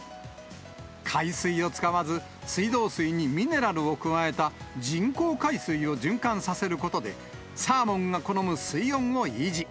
海水を使わず、水道水にミネラルを加えた人工海水を循環させることで、サーモンが好む水温を維持。